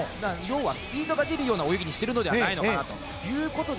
スピードが出るような泳ぎにしているんじゃないかなということで